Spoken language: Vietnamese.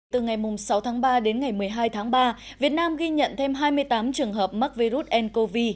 từ ngày sáu tháng ba đến ngày một mươi hai tháng ba việt nam ghi nhận thêm hai mươi tám trường hợp mắc virus ncov